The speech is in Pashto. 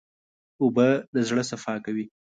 اوبه د زړه صفا کوي.